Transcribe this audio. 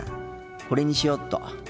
これにしよっと。